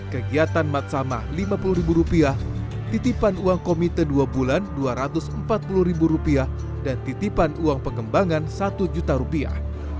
kegiatan mat sama lima puluh ribu rupiah titipan uang komite dua bulan dua ratus empat puluh ribu rupiah dan titipan uang pengembangan satu juta rupiah